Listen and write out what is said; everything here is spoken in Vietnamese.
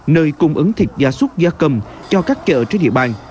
nơi cung ứng thịt gia súc gia cầm cho các chợ trên địa bàn